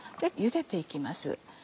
ゆでて行きます。